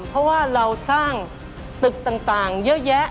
เพราะว่าเราสร้างตึกต่างเยอะแยะ